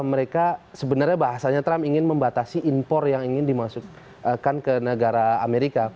mereka sebenarnya bahasanya trump ingin membatasi impor yang ingin dimasukkan ke negara amerika